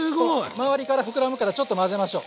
周りから膨らむからちょっと混ぜましょう。